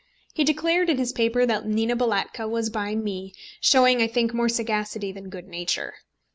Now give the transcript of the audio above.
He declared in his paper that Nina Balatka was by me, showing I think more sagacity than good nature.